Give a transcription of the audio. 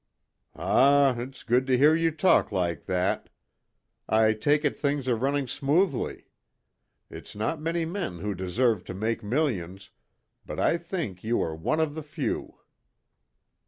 "Ah, it's good to hear you talk like that. I take it things are running smoothly. It's not many men who deserve to make millions, but I think you are one of the few."